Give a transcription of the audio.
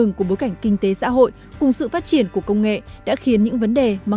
nhưng sau một mươi năm phát triển luật tài liệu đã gây ra những vấn đề khó khăn